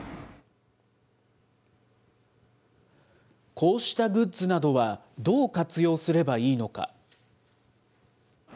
こうしたグッズなどはどう活用すればいいのか。